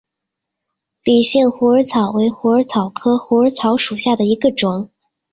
理县虎耳草为虎耳草科虎耳草属下的一个种。